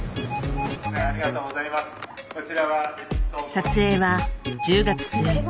撮影は１０月末。